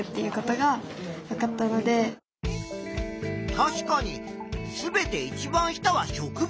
確かに全ていちばん下は植物だな。